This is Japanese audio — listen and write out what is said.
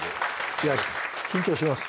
いや緊張します。